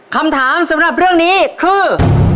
คำถามสำหรับเรื่องนี้คือ